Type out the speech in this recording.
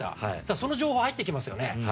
その情報は行ってきますよね。